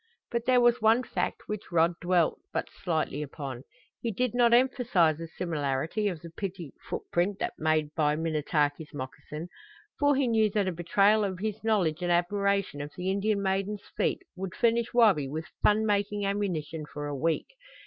But there was one fact which Rod dwelt but slightly upon. He did not emphasize the similarity of the pretty footprint and that made by Minnetaki's moccasin, for he knew that a betrayal of his knowledge and admiration of the Indian maiden's feet would furnish Wabi with fun making ammunition for a week.